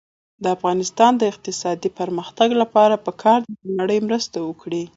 د افغانستان د اقتصادي پرمختګ لپاره پکار ده چې نړۍ مرسته وکړي.